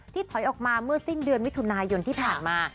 ถอยออกมาเมื่อสิ้นเดือนมิถุนายนที่ผ่านมา